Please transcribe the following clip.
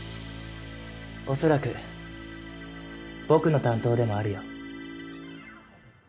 恐らく僕の担当でもあるよ。